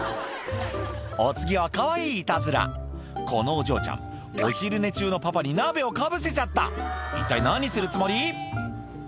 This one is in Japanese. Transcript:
お次はかわいいいたずらこのお嬢ちゃんお昼寝中のパパに鍋をかぶせちゃった一体何するつもり？